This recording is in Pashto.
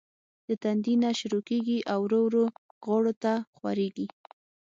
د تندي نه شورو کيږي او ورو ورو غاړو ته خوريږي